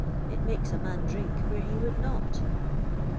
It makes a man drink where he would not."